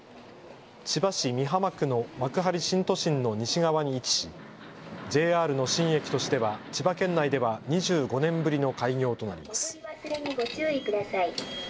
千葉市美浜区の幕張新都心の西側に位置しＪＲの新駅としては千葉県内では２５年ぶりの開業となります。